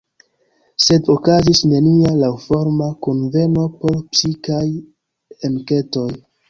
Sed okazis nenia laŭforma kunveno por psikaj enketoj.